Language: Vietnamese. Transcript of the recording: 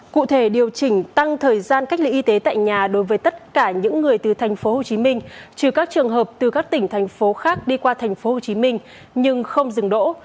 cụ thể điều chỉnh tăng thời gian cách ly y tế tại nhà đối với tất cả những người từ thành phố hồ chí minh trừ các trường hợp từ các tỉnh thành phố khác đi qua thành phố hồ chí minh nhưng không dừng đỗ